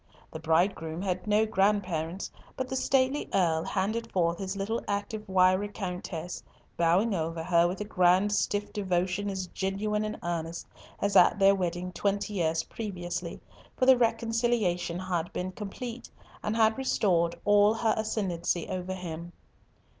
The bridegroom had no grandparents, but the stately Earl handed forth his little active wiry Countess, bowing over her with a grand stiff devotion as genuine and earnest as at their wedding twenty years previously, for the reconciliation had been complete, and had restored all her ascendency over him.